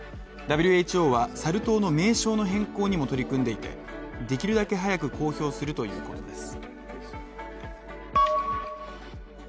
ＷＨＯは、サル痘の名称の変更にも取り組んでいてできるだけ早く公表するということです